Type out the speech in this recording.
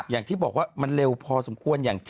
อย่างที่บอกว่ามันเร็วพอสมควร